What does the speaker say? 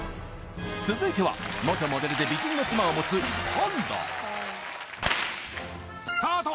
続いては元モデルで美人の妻を持つパンダスタート